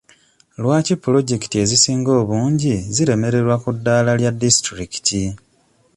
Lwaki puloojekiti ezisinga obungi ziremererwa ku ddaala lya disitulikiti?